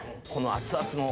「熱々の」